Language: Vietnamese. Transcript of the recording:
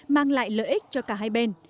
mang lại lợi ích cho cả hai bên